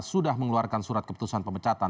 sudah mengeluarkan surat keputusan pemecatan